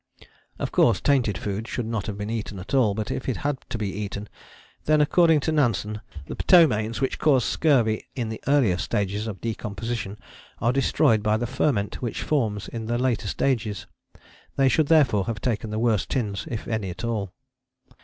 " Of course tainted food should not have been eaten at all, but if it had to be eaten, then, according to Nansen, the ptomaines which cause scurvy in the earlier stages of decomposition are destroyed by the ferment which forms in the later stages. They should therefore have taken the worst tins, if any at all.